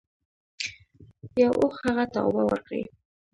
یو اوښ هغه ته اوبه ورکړې.